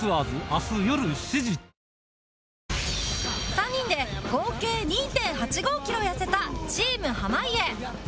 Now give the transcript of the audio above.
３人で合計 ２．８５ キロ痩せたチーム濱家